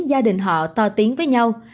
gia đình họ to tiếng với nhau